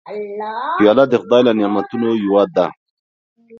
پیاله د خدای له نعمتونو یوه ده.